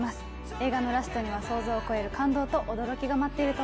映画のラストには想像を超える感動と驚きが待っていると思います。